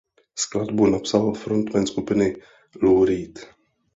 Skladbu napsal frontman skupiny Lou Reed.